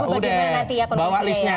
kita tunggu berikutnya